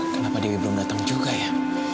kenapa dewi belum datang juga ya